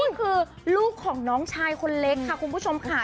ลูกคือลูกของน้องชายคนเล็กค่ะคุณผู้ชมค่ะ